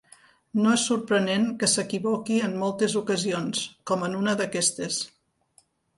No és sorprenent que s'equivoqui en moltes ocasions, com en una d'aquestes.